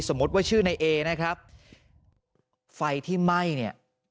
ว่าชื่อในเอนะครับไฟที่ไหม้เนี่ย